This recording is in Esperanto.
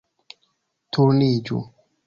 Turniĝu